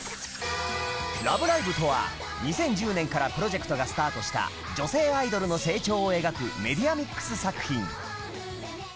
『ラブライブ！』とは２０１０年からプロジェクトがスタートした女性アイドルの成長を描くメディアミックス作品